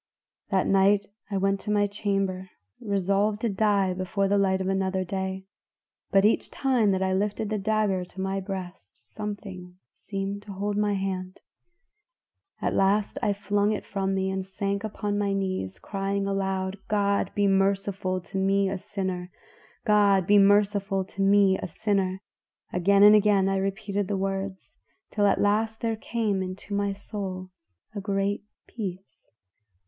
"That night I went to my chamber resolved to die before the light of another day, but each time that I lifted the dagger to my breast something seemed to hold my hand. At last I flung it from me and sank upon my knees, crying aloud, 'God be merciful to me a sinner! God be merciful to me a sinner!' Again and again I repeated the words till at last there came into my soul a great peace.